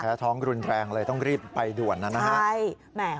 แล้วท้องรุนแรงเลยต้องรีบไปด่วนนะฮะ